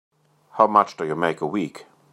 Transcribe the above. How much do you make a week?